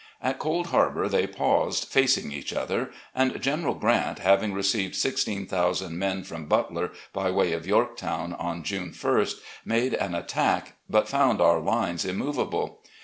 At Cold Harbour they paused, facing each other, and General Grant, having received sixteen thousand men from Butler by way of Yorktown on June ist, made an attack, but fotmd our lines immovable.